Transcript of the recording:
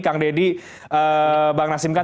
kang ledi bang nasim khan